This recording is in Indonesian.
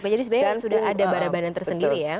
jadi sebenarnya sudah ada barang barang tersendiri ya